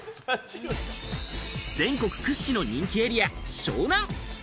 全国屈指の人気エリア・湘南。